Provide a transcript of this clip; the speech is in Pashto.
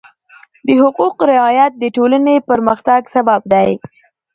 د حقوقو رعایت د ټولنې پرمختګ سبب دی.